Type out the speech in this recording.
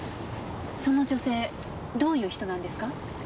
その女性どういう人なんですか？